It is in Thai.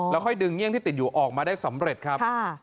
ค่อยดึงเงี่ยงที่ติดอยู่ออกมาได้สำเร็จครับ